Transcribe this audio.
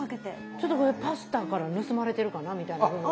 ちょっとこれパスタから盗まれてるかなみたいな部分が。